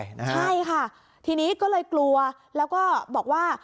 ใช่ค่ะทีนี้ก็เลยกลัวแล้วก็บอกว่า